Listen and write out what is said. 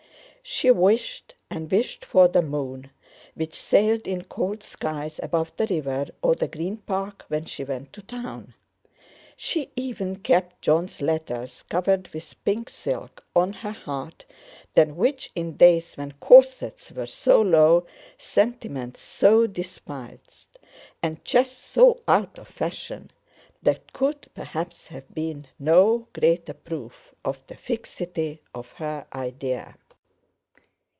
She wished and wished for the moon, which sailed in cold skies above the river or the Green Park when she went to Town. She even kept Jon's letters, covered with pink silk, on her heart, than which in days when corsets were so low, sentiment so despised, and chests so out of fashion, there could, perhaps, have been no greater proof of the fixity of her idea.